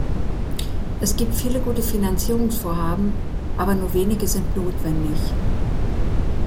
Es gibt viele gute Finanzierungsvorhaben, aber nur wenige sind notwendig.